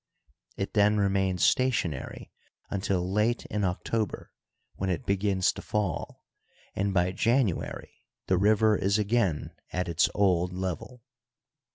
It then remains stationary until late in October, when it begins to fall, and by January the river is again at its old level.